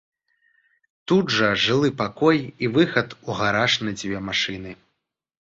Тут жа жылы пакой і выхад у гараж на дзве машыны.